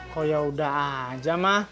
kok ya udah aja mah